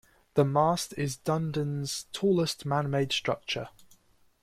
The mast is Dunedin's tallest man-made structure.